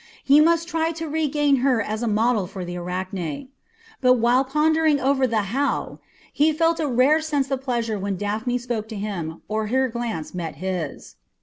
He must try to regain her as a model for the Arachne! But while pondering over the "how," he felt a rare sense of pleasure when Daphne spoke to him or her glance met his.